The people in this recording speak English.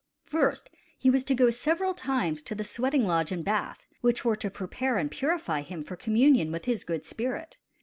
First he was to go several times to the sweating lodge and bath, which were to prepare and purify him for communion with his good spirit.